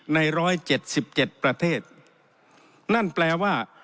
ใน๑๗๗ประเทศนั่นแปลว่า